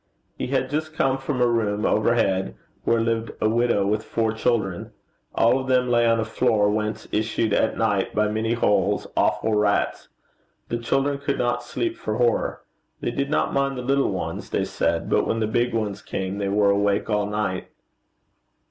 He had just come from a room overhead where lived a widow with four children. All of them lay on a floor whence issued at night, by many holes, awful rats. The children could not sleep for horror. They did not mind the little ones, they said, but when the big ones came, they were awake all night.